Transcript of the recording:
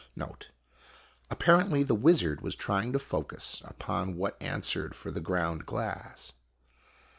[NOTE: Apparently the "wizard" was trying the focus upon what answered for the ground glass.